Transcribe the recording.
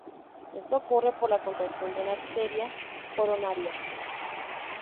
Esto ocurre por la contracción de una arteria coronaria.